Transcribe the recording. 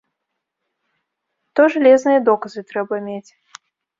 То жалезныя доказы трэба мець.